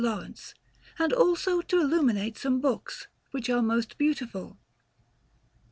Laurence, and also to illuminate some books, which are most beautiful.